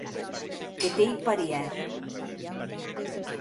Que t’ei parièr.